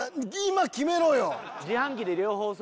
今決めろよ！